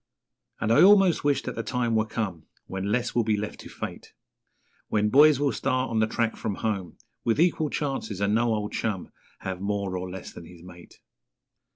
And I almost wished that the time were come When less will be left to Fate When boys will start on the track from home With equal chances, and no old chum Have more or less than his mate.